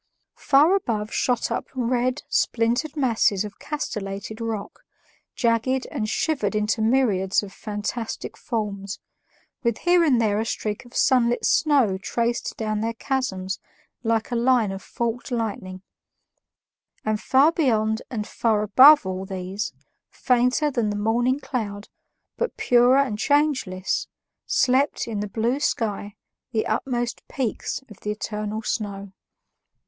Far above shot up red, splintered masses of castellated rock, jagged and shivered into myriads of fantastic forms, with here and there a streak of sunlit snow traced down their chasms like a line of forked lightning; and far beyond and far above all these, fainter than the morning cloud but purer and changeless, slept, in the blue sky, the utmost peaks of the eternal snow.